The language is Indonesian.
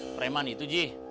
preman itu ji